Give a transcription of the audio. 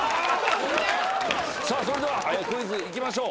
すごい！さあそれではクイズいきましょう。